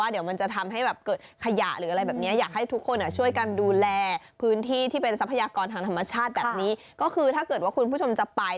นี่อีกฉันมีรูปให้ดูด้วยนะคุณผู้ชม